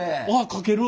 書ける！